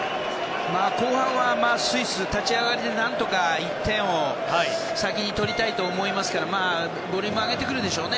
後半はスイス立ち上がりで何とか１点を先に取りたいと思いますからボリューム上げてくるでしょうね